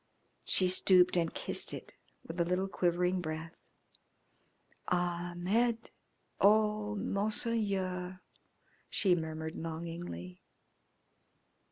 She stooped and kissed it with a little quivering breath. "Ahmed. Oh, Monseigneur!" she murmured longingly.